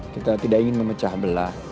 kita tidak ingin memecah belah